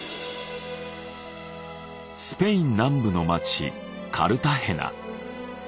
スペイン南部の町カルタヘナ。